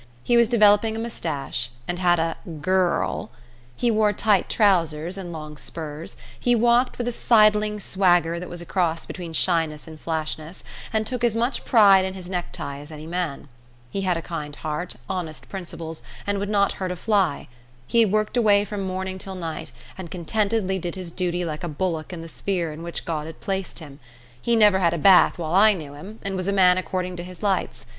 He was developing a moustache, and had a "gu r r r l"; he wore tight trousers and long spurs; he walked with a sidling swagger that was a cross between shyness and flashness, and took as much pride in his necktie as any man; he had a kind heart, honest principles, and would not hurt a fly; he worked away from morning till night, and contentedly did his duty like a bullock in the sphere in which God had placed him; he never had a bath while I knew him, and was a man according to his lights.